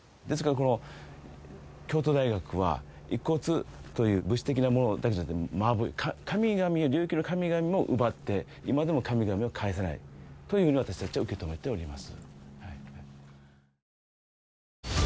この京都大学は遺骨という物質的なものだけじゃなくてマブイ神々琉球の神々も奪って今でも神々を返さないというふうに私達は受け止めております